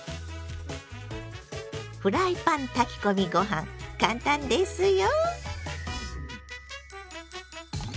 フライパン炊き込みご飯簡単ですよ。